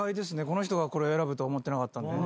この人がこれ選ぶと思ってなかったんで。